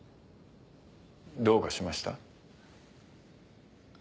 どうかしました？